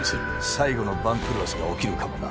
最後の番狂わせが起きるかもな。